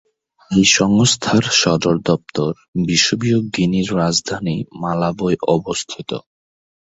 এই সংস্থার সদর দপ্তর বিষুবীয় গিনির রাজধানী মালাবোয় অবস্থিত।